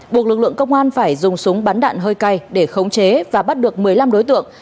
buộc lực lượng công an phải dùng súng bắn đạn hơi cay để khống chế và bắt được một mươi năm đối tượng